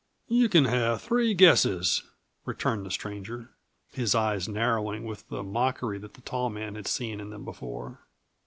"You c'n have three guesses," returned the stranger, his eyes narrowing with the mockery that the tall man had seen in them before.